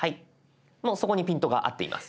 もうそこにピントが合っています。